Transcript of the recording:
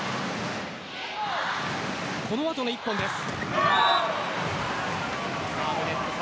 この後の１本です。